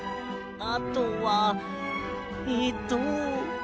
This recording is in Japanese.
あとはえっと。